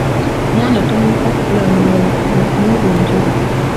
Omwana tomuleka kukula muwawa, fuba okumugunjula.